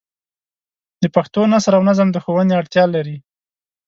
د پښتو نثر او نظم د ښوونې اړتیا لري.